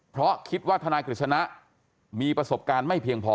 เพราะคิดว่าทนายกฤษณะมีประสบการณ์ไม่เพียงพอ